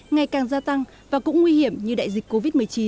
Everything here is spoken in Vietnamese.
ngày càng gia tăng và cũng nguy hiểm như đại dịch covid một mươi chín